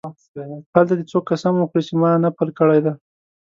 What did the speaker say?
هلته دې څوک قسم وخوري چې ما نفل کړی دی.